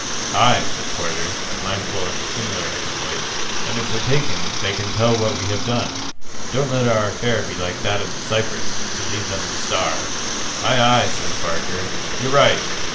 "Ay," said Porter, mindful of a similar exploit, "and if we're taken, they can tell what we have done. Don't let our affair be like that of the Cypress, to leave them to starve." "Ay, ay," says Barker, "you're right!